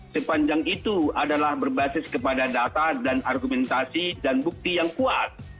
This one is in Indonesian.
sepanjang itu adalah berbasis kepada data dan argumentasi dan bukti yang kuat